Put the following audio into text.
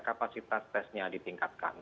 kapasitas testnya ditingkatkan